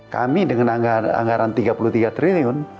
kami dengan anggaran tiga puluh tiga triliun